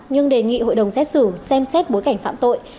nhưng đề nghị hội đồng xét xử xem xét bối cảnh phạm tội